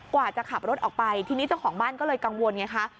กว่าจะขับรถออกไปทีนี้เจ้าของบ้านก็เลยกังวลไงคะ